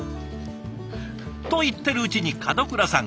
と言ってるうちに門倉さん